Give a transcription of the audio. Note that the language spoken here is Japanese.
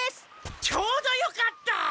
ちょうどよかった！